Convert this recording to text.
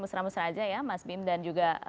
mesra mesra saja ya mas bim dan juga